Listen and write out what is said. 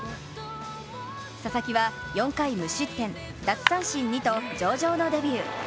佐々木は４回無失点奪三振２と上々のデビュー。